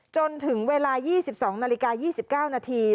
จนถึงเวลา๒๒นาฬิกา๒๙นาที